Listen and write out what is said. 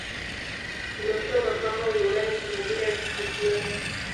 Umekuwa mapambo ya nyumbani kwa majira ya Krismasi.